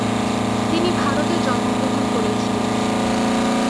তিনি ভারতে জন্মগ্রহণ করেছিলেন।